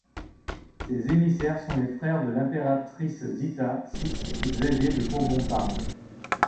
Ces émissaires sont les frères de l’impératrice Zita, Sixte et Xavier de Bourbon-Parme.